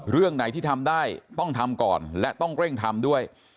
เรื่องไหนที่ทำได้ต้องทำก่อนและต้องเร่งทำด้วย